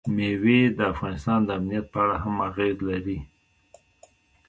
مېوې د افغانستان د امنیت په اړه هم اغېز لري.